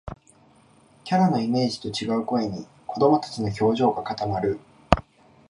キャラのイメージと違う声に、子どもたちの表情が固まる